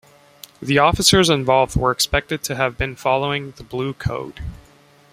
The officers involved were expected to have been following the "blue code".